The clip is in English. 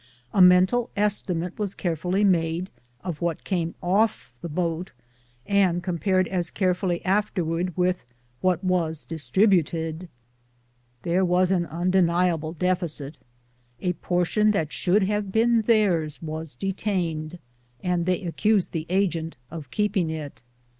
A mental estimate was carefully made of what came off the boat, and compared as carefully afterwards with what was distributed. There was an undeniable deficit. A portion that should have been theirs was detained, and they accused the agent of keeping it.